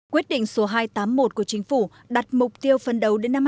quyết định số hai trăm tám mươi một của chính phủ đặt mục tiêu phân đấu đến năm hai nghìn ba mươi một